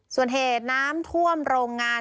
ส่วนเหตุน้ำท่วมโรงงาน